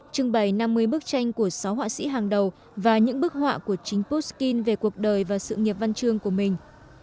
trưng bày năm mươi bức tranh của sáu họa sĩ hàng đầu và những bức họa của chính putin về cuộc đời và sự nghiệp văn chương của mình